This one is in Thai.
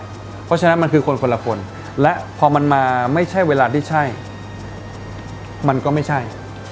เพราะฉะนั้นมันคือคนคนละคนและพอมันมาไม่ใช่เวลาที่ใช่มันก็ไม่ใช่